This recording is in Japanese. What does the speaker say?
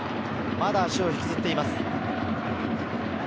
まだ足を引きずっています。